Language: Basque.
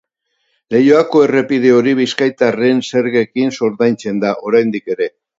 Leioako errepide hori bizkaitarren zergekin ordaintzen da, oraindik ere.